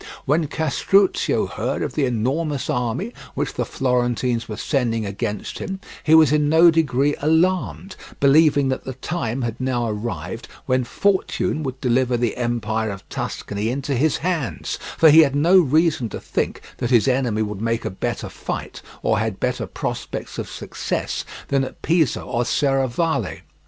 When Castruccio heard of the enormous army which the Florentines were sending against him, he was in no degree alarmed, believing that the time had now arrived when Fortune would deliver the empire of Tuscany into his hands, for he had no reason to think that his enemy would make a better fight, or had better prospects of success, than at Pisa or Serravalle.